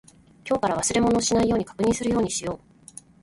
今日から忘れ物をしないように確認するようにしよう。